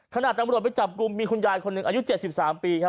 ตำรวจไปจับกลุ่มมีคุณยายคนหนึ่งอายุ๗๓ปีครับ